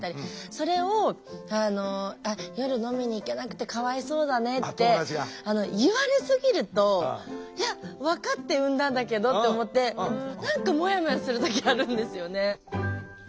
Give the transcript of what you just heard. それをあの「夜飲みに行けなくてかわいそうだね」って言われすぎると「いや分かって産んだんだけど」って思って何かもやもやする時あるんですよね。